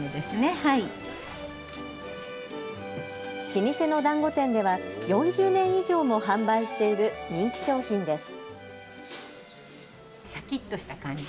老舗のだんご店では４０年以上も販売している人気商品です。